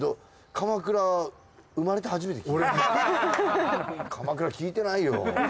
鎌倉聞いてないよ。